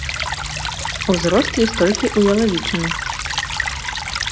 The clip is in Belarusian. Узрост ёсць толькі ў ялавічыны.